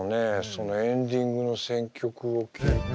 そのエンディングの選曲を聞いて。